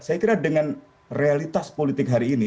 saya kira dengan realitas politik hari ini